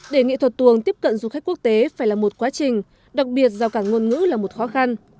để nghệ thuật tuồng tiếp cận du khách quốc tế phải là một quá trình đặc biệt giao cản ngôn ngữ là một khó khăn